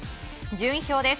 順位表です。